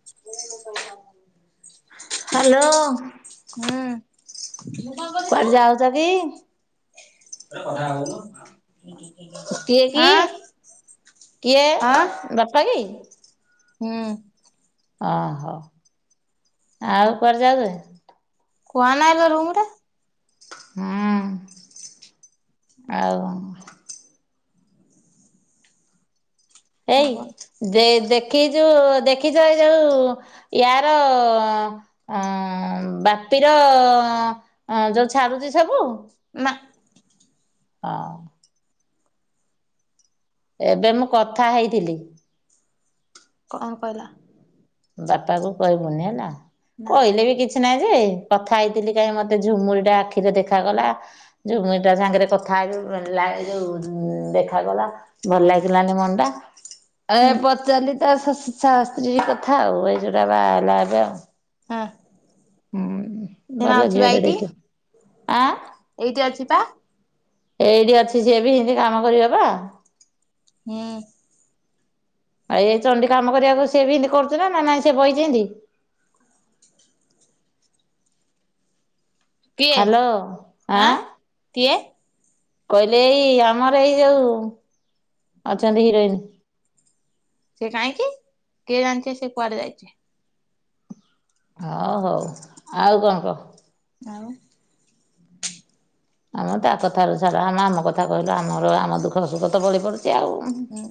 [inaudible] Hello. ହୁଁ। କୁଆଡେ ଯାଉଚ କି? କଥା ହୋଉନ? କିଏ କି କିଏ ଆଁ ବାପା କି? ହୁଁ। ଅ ହ ଆଉ କୁଆଡେ ଯାଉଚ? କୁଆ ନାଇଁ ଏବେ ରୁମ ରେ ହୁଁ। ଆଉ ଏଇ ଦେ ଦେଖି ଯୋଉ ଦେଖିଚ ଏ ଯୋଉ ୟାର ଅଁ ବାପିର ଯୋଉ ଛାଡୁଚି ସବୁ ନା। ଅଁ। ଏବେ ମୁଁ କଥା ହେଇଥିଲି। କଣ କହିଲା? ବାପାକୁ କହିବୁନି ହେଲା ନା କହିଲେ ବି କିଛି ନାଇଁ ଯେ କଥା ହେଇଥିଲି କାଇଁ ମତେ ଝୁମୁୁରିଟା ଆଖିରେ ଦେଖାଗଲା। ଝୁମୁରିଟା ସାଙ୍ଗେରେ କଥା ହେବି ଲା ଯୋଉ ଦେଖାଗଲା। ଭଲ ଲାଗିଲାନି ମନ ଟା ଏ ହୁଁ ପଚାରିଲି ତା ଶା ସ୍ତ୍ରୀ କଥା ଆଉ ଏଇ ଯୋଉଟା ବାହା ହେଲା ଏବେ ଆଉ। ଅଁ ଉଁ ଭଲ ଝିଅଟେ ଦେଖ ଆ ଏଇଟି ଅଛି ପା ଏଇଠି ଅଛି ସିଏ ବି ଏମତି କାମ କରିବା ବା। ହୁଁ ଆଉ ଏ ଚଣ୍ଡୀ କାମ କରିବାକୁ ସି ବି ଏମିତି କରୁଥିଲା ନା ନାଇଁ ସେ ବଇଛି ଏମିତି କିଏ ହ୍ୟାଲୋ ଆଁ କିଏ କହିଲେ ଏଇ ଆମର ଏଇ ଯୋଉ ଅଛନ୍ତି ହିରୋଇନ। ସେ କାହିଁକି କିଏ ଜାନିଛି ସେ କୁଆଡେ ଯାଇଛି। ଓ ହଉ ଆଉ କଣ କହ? ଆଉ ଆମ ତା କଥାରୁ ଛଡା ଆମେ ଆମ କଥା କହିଲୁ ଆମର ଆମ ଦୁଃଖ ସୁଖ ତ ବଳି ପଡଛି ଆଉ ହୁଁ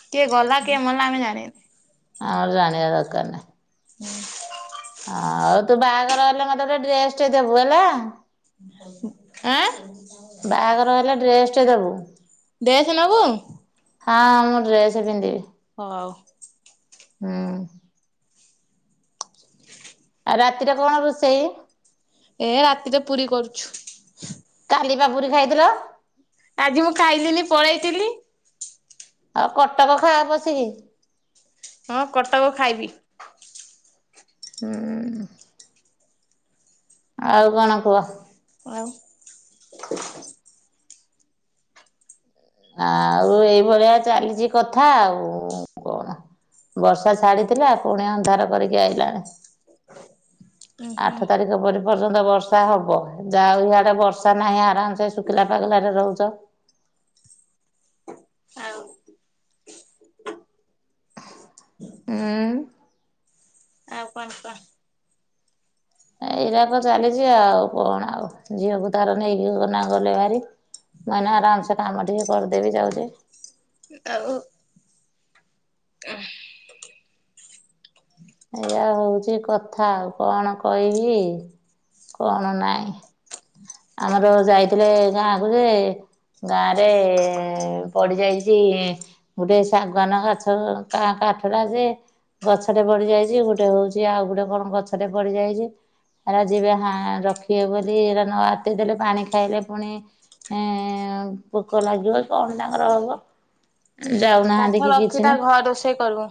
କିଏ ଗଲା କିଏ ମଲା ଆମେ ଜାଣି ଆଉ ଜାଣିବା ଦରକାର ନାହିଁ। ହୁଁ ଆଉ ତୁ ବାହାଘର ହେଲେ ମତେ ଗୋଟେ ଡ୍ରେସ ଟେ ଦେବୁ ହେଲା। ଆଁ ବାହାଘର ହେଲେ ଡ୍ରେସ ଟେ ଦେବୁ। ଡ୍ରେସ୍ ନବୁ। ହଁ ମୁଁ ଡ୍ରେସ ପିନ୍ଧିବି। ହଉ। ହଁ [unintelligible] ଆଉ ରାତିରେ କଣ ରୋଷେଇ? ଏ ରାତିରେ ପୁରୀ କରୁଛୁ। କାଲିି ବା ପୁରୀ ଖାଇଥିଲ। ଆଜି ମୁଁ ଖାଇଲିିନି ପଳେଇଥିଲି। ଆଉ କଟକ ଖାଆ ପଶିକି। ହଁ କଟକ ଖାଇବି। ହୁଁ ଆଉ କଣ କୁହ? ଆଉ। ଆଉ ଏଇଭଳିଆ ଚାଲିଛି କଥା ଆଉ କଣ? ବର୍ଷା ଛାଡିଥିଲା ପୁଣି ଅନ୍ଧାର କରିକି ଆଇଲାଣି। ହୁଁ ହୁଁ ଆଠ ତାରିଖ ପରେ ପର୍ଯ୍ୟନ୍ତ ବର୍ଷା ହେବ ଯାାଉ ଇଆଡ଼େ ବର୍ଷା ନାହିଁ ଆରାମସେ ଶୁଖିଲା ପାଗଲାରେ ରହୁଛ। ହଉ। ହୁଁ। ଆଉ କଣ କହ? ଏଇଟାତ ଚାଲିଛି ଆଉ କଣ ଆଉ ଝିଅକୁ ତାର ନେଇକି ନା ଗଲେ ଭାରି। ମୁଁ ଏଇଁନା ଆରାମସେ କାମ ଟିକେ କରିଦେବି ଯାଉଛି। ଆଉ ଏଇଆ ହଉଛି କଥା ଆଉ କଣ କହିବି। କଣ ନାଇଁ ଆମର ଯାଇଥିଲେ ଗାଁ କୁ ଯେ ଗାଁରେ ପଡ଼ିଯାଇଛି। ଗୋଟେ ଶାଗୁଆନ ଗଛର କା କାଠଟା ଯେ ଗଛଟେ ବଡି ପ ଯାଇଛି ଗୋଟେ ହଉଛି ଆଉ ଗୋଟେ କଣ ଗଛଟେ ପଡିଯାଇଛି। ଏରା ଯିବେ ହା ରଖିବେ ବୋଲି ଏ ନ ଆତେଇ ଦେଲେ ପାଣି ଖାଇଲେ ପୁଣି ଏଁ ପୋକ ଲାଗିବ କଣ ତାଙ୍କର ହବ। କାଠ ଯାଉନାହାନ୍ତି କି ରଖି କିଛି ତା ନାହିଁ। ଘ ରୋଷେଇ କରିବୁ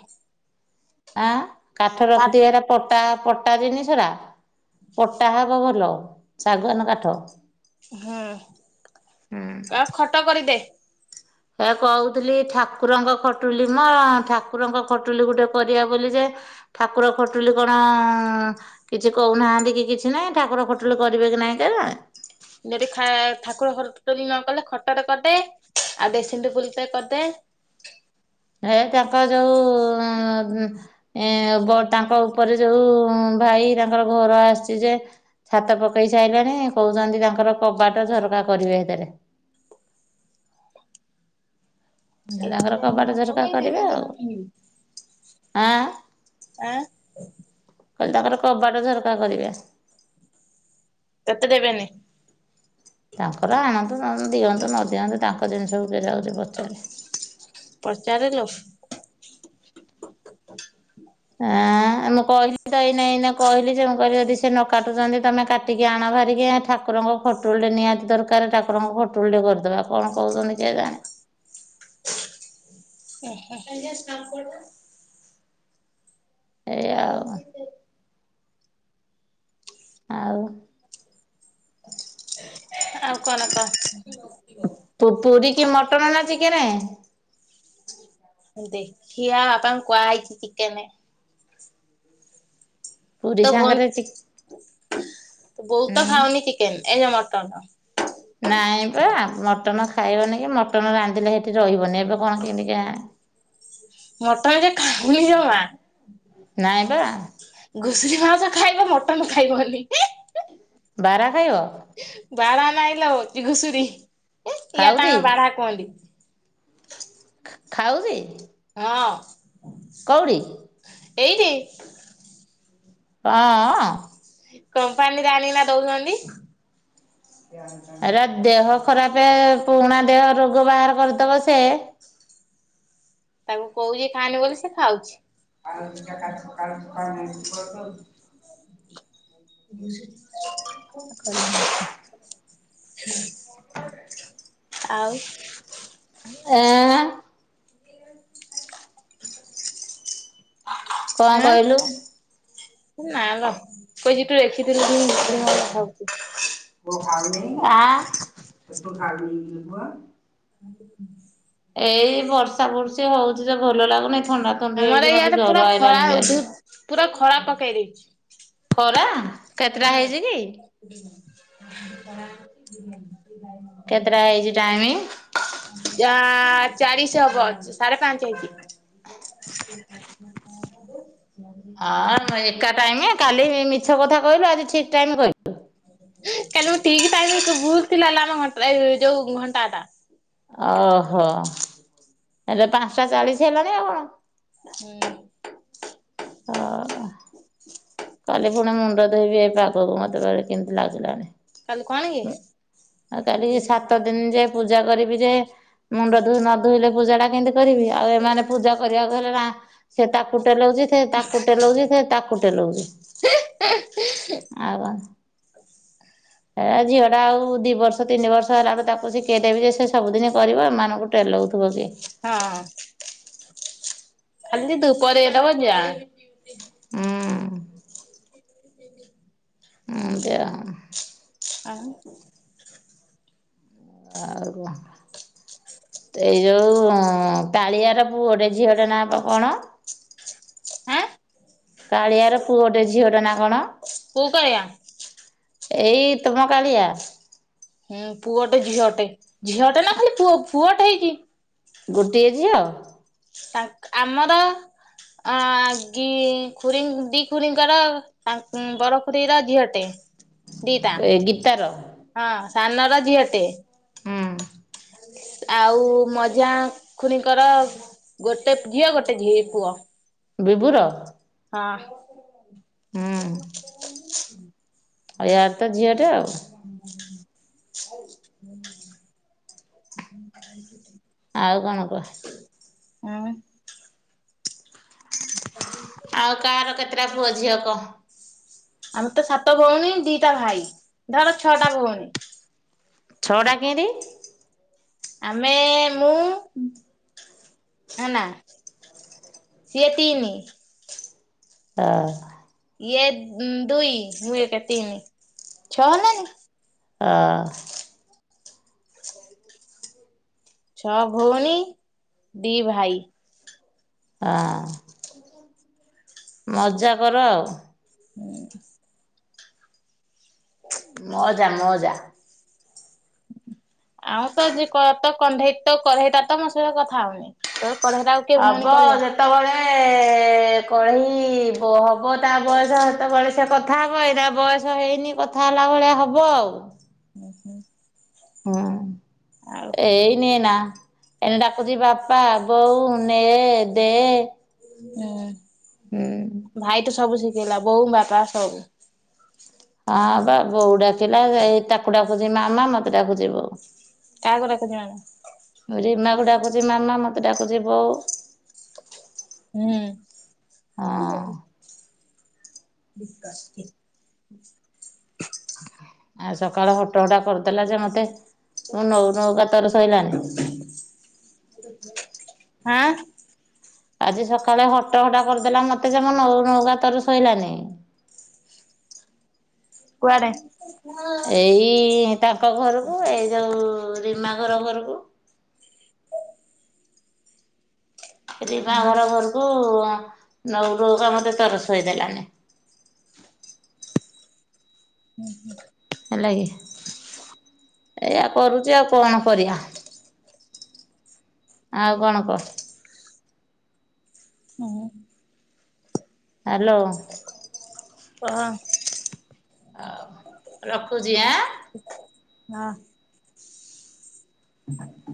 ଆଁ କାଠ ତା ରଖିଥିବେନା? ପଟା ପଟା ଜିନିଷ ଟା ପଟା ହବ ଭଲ ଶାଗୁଆନ କାଠ। ହୁଁ ହୁଁ ଆଉ ଖଟ କରିଦେ। ଏ କହୁଥିଲି ଠାକୁରଙ୍କ ଖଟୁଲି ମୋ ଠାକୁରଙ୍କ ଖଟୁଲି ଗୋଟେ କରିବା ବୋଲି ଯେ ଠାକୁର ଖଟୁଲି କଣ କିଛି କହୁନାହାନ୍ତି କି କିଛି ନାହିଁ ଠାକୁର ଖଟୁଲି କରିବେ କି ନାଇଁ କିଏ ଜାଣେ? ଯଦି ଖାଏ ଠାକୁର ଖଟୁଲି ନ କଲେ ଖଟ ଟେ କରିଦେ ଆଉ ଡେସିଙ୍ଗ ଟେବୁଲ୍ ଟେ କରିଦେ। ହେ ତାଙ୍କର ଯଉ ଉଁ ଉଁ ଏ ବ ତାଙ୍କ ଉପରେ ଯୋଉଁ ଭାଇ ତାଙ୍କର ଘର ଆସଚି ଯେ ଛାତ ପକେଇ ସାରିଲାଣି କହୁଚନ୍ତି ତାଙ୍କର କବାଟ ଝରକା କରିବେ ସେଇଥିରେ। ଏଇ ତାଙ୍କର ରାତିରେ ନିନ କବାଟ ଝରକା ପକେଇବି ଦିନ କରିବେ ଦିନ ଆଉ କିଣିବି। ଆଁ ଆଁ। କହିଲି ତାଙ୍କର କବାଟ ଝରକା କରିବେ। ତତେ ଦେବେନି। ତାଙ୍କର ଆଣନ୍ତୁ ଅଁ ଦିଅନ୍ତୁ ନଦିଅନ୍ତୁ ତାଙ୍କ ଜିନିଷକୁ କିଏ ଯାଉଚି ପଚାରେ। ପଚାରେ ଲୋ। ଆଁ। ଆଁ ମୁଁ କହିଲି ତ ଏଇନେ ଏଇନେ କହିଲି ଯେ ମୁଁ କହିଲି ଯଦି ସେ ନ କାଟୁଚନ୍ତି ତମେ କାଟିକି ଆଣ ବାହାରିକି ଠାକୁରଙ୍କ ଖଟୁଲି ଟେ ନିହାତି ଦରକାର ଠାକୁରଙ୍କ ଖଟୁଲି ଟେ କରିଦବା କଣ କହୁଚନ୍ତି କିଏ ଜାଣେ। [unintelligible] ଏଇଆ ଆଉ। [unintelligible] ଆଉ। ଆଉ କଣ କହ? ପୁ ପୁରୀ କି ମଟନ ନା ଚିକେନେ? ଦେଖିଆ ବାପାଙ୍କୁ କୁହା ହେଇଚି ଚିକେନେ। [inaudible] ପୁରୀ ତ ସାଙ୍ଗରେ ଚି ଭନ ବଉ ଉଁ ତ ଖାଉନି ଚିକେନ୍ ଏ ଯଉ ମଟନ। ନାଇଁ ପା ମଟନ ଖାଇବନି କି ମଟନ ରାନ୍ଧିଲେ ସେଠି ରହିବନି ଏବେ କଣ କେମିତି କେୟାଣି। ମଟନ ଯେ ଖାଉନି ଜମା। ନାଇଁ ପା। ଘୁଷୁୁରୀ ମାଉସ ଖାଇବ ମଟନ ଖାଇବନି। ବାରା ଖାଇବ? ବାରା ନାଇଁ ଲୋ ଚି ଘୁଷୁରୀ ଇଆଡେ ତାଙ୍କର ବାରା କୁହନ୍ତି। ଖା ଖାଉଚି? ହଁ। କଉଠି? ଏଇଠି। ଆଁ ଆଁ। କମ୍ପାନୀରେ ଆଣିକିନା ଦଉଚନ୍ତି। ଏରା ଦେହ ଖରାପେ ପୁରୁଣା ଦେହ ରୋଗ ବାହାର କରିଦବ ସେ। ତାକୁ କହୁଚି ଖାନି ବୋଲି ସେ ଖାଉଛି। [inaudible] [unintelligible] ଆଉ। ଏଁ କଣ ଆଁ। କହିଲୁ ନା ଲୋ କହିଚି ତୁ ଦେଖିଥିଲୁ କି ମୁଁ ଆ। [inaudible] ଏଇ ବର୍ଷା ବର୍ଷେ ହଉଚି ଯେ ଭଲ ଲାଗୁନି ଥଣ୍ଡା ଥଣ୍ଡି ଆମର ହେଇଚି ମତେ ଇଆଡେ ପୁରା ଜ୍ୱର ଖରା ଆଇଲାଣି ବିି ଉଧୁ ଆଜି। ପୁରା ଖରା ପକେଇ ଦେଇଛି। ଖରା। କେତେଟା ହେଇଛି କି? ଉଁ ହୁଁ। କେତେଟା ହେଇଛି ଟାଇମି? ଯା ଚାଳିଶ ହବ, ସାଢେ ପାଞ୍ଚ ହେଇଛି। ହଁ ଏକା ଟାଇମ କାଲି ମିଛ କଥା କହିଲୁ ଆଜି ଠିକ ଟାଇମ କହିଲୁ। କାଲି ମୁଁ ଠିକ ଟାଇମ ଭୁଲ ଥିଲା ହେଲା ଆମ ଘଟା ଏଇ ଯୋଉ ଘଣ୍ଟାଟା। ଓହୋ ହେଲେ ପାଞ୍ଚଟା ଚାଳିଶ ହେଲାଣି ଆଉ କଣ। ହୁଁ। [unintelligible] [inaudible] କାଲି ପୁଣି ମୁଣ୍ଡ ଧୋଇବି ଏଇ ପାଗକୁ ମୋତେ ଭାରି କେମିତି ଲାଗିଲାଣି? କାଲି କଣ କି? ଆ କାଲି ସାତ ଦିନ ଯେ ପୂଜା କରିବି ଯେ ମୁଣ୍ଡ ଧ ନ ଧୋଇଲେ ପୂଜାଟା କେମିତି କରିବି ଆଉ ଏମାନେ ପୂଜା କରିବାକୁ ହେଲେ ନା ସେ ତାକୁ ଟେଲଉଛି ସେ ତାକୁ ଟେଲଉଛି ସେ ତାକୁ ଟେଲଉଛି। ଆଉ କଁ ହେ ଝିଅଟା ଆଉ ଦି ବର୍ଷ ତିନି ବର୍ଷ ହେଲା ବେଳକୁ ତାକୁ ଶିଖେଇଦେବି ଯେ ସେ ସବୁଦିନ କରିବ। ଏମାନଙ୍କୁ ପେଲଉଥିବ କିଏ? ହଁ। ଖାଲି ତୁ ପରେ ବ ଯା ହୁଁ। [inaudible] ହୁଁ ଦେ ଆଉ ଆଉ ତେଉ ଯୋଉ କାଳିଆର ପୁଅଟେ ଝିଅଟେ ନାଁ ବା କଣ? ଆଁ କାଳିଆର ପୁଅଟେ ଝିଅଟେ ନା କଣ? କୋଉ କାଳିଆ? ଏଇ ତମ କାଳିଆ। ହୁଁ ପୁଅଟେ ଝିଅଟେ। ଝିଅଟେ ନା ଖାଲି ପୁଅ ପୁଅଟେ ହେଇଛି। ଗୋଟିଏ ଝିଅ। ତା ଆମର ଅ ଦି ଖୁରି ଖୁରିଙ୍କର ଆ ବଡ ଖୁଡୀର ଝିଅଟେ ଦିଟା। ଏ ଗୀତାର ହଁ ସାନର ଝିଅଟେ। ଆଉ ମଝିଆ ଖୁଡିଙ୍କର ଗୋଟେ ଝିଅ ଗୋଟେ ଝିଅ ପୁଅ। ବିିଭୁର। ହଁ। ଆଉ ୟାର ତ ଝିଅଟେ ଆଉ। [inaudible] [inaudible] [inaudible] ଆଉ କଣ କୁହ? ହୁଁ ହୁଁ [inaudible] ଆଉ କାହାର କେତେଟା ପୁଅ ଝିଅ କହ? ଆମେ ତ ସାତ ଭଉଣୀ, ଦିଟା ଭାଇ ଧର ଛଅଟା ଭଉଣୀ। ଛଅଟା କେନତି? ଆମେ, ମୁଁ ନା ସିଏ ତିନି ଓ ଇଏ ଉଁମ ଦୁଇ ମୁ ଗୋଟେ ତିନି ଛଅ ନାଇଁ ଅ ଛଅ ଭଉଣୀ, ଦି ଭାଇ। ଆ ମଜା କର। ହୁଁ ମଜା ମଜା। ଆଉ ତ ଯେ କଟ କଣ୍ଢେଇ ତ କଢେଇ ତ ମୋ ସହିତ କଥା ହଉନି। ତ କଢେଇଟା ଆଉ କିଏ ଭଉଣୀ ହବ କରିବ ଯେତେବେଳେ ଏ କଢେଇ ବ ହବ ତା ବୟସ ହେତେବେଳେ ସେ କଥା ହେବ ଏଇ ତା ବୟସ ହେଇନି କ ଥା ହେଲାବଳେ ହେବ ଆଉ। ହୁଁ ହୁଁ ହୁଁ। ଆଉ ହୁଁ ଏଇନି ନା ଏନ ଡାକୁଛି ବାପା, ବୋଉ ନେ ଦେ ହୁଁ ହୁଁ ଭାଇ ତ ସବୁ ଶିଖେଇଲା ବୋଉ, ବାପା ସବୁ ହଁ ବା ବୋଉ ଡାକିଲା ଏଇ ତାକୁ ଡାକୁଛି ମାମା ମତେ ଡାକୁଛି ବୋଉ। କାହାକୁ ଡାକୁଛି ମାମା? ରିମାକୁ ଡାକୁଛି ମାମା ମତେ ଡାକୁଛି ବୋଉ। ହଁ ହୁଁ ନିକାାଶ ଆଉ ସକାଳ ହୋଟ ହଟା କରିଦେଲା ଯେ ମୋତେ, ମୁଁ ନଉ ନୌକାତରେ ସୋଇଲାଣି। ହାଁ ଆଜି ସକାଳେ ହଟ ହଟା କରିଦେଲା ମତେ ଯେ ମୋ ମୋ ପାଖରେ ଶୋଇଲାନି। କୁଆଡେ ଏଇ ତାଙ୍କ ଘରକୁ ଏଇ ଯୋଉ ରିମା ଘର ଘରକୁ। ରିମା ଘର ଘରକୁ ଆଁ ନଉ ଠୁ କ ମତେ ତର ସୋଇଦେଲାଣି। ହୁଁ ହୁଁ ହେଲା କି ଏଇଆ କରୁଛି, ଆଉ କଣ କରିବା। ଆଉ କଣ କହ? ହଁ ହାଲୋ। ହଁ ଆଉ ରକହୁଛି, ଆଁ ହଁ ହୁ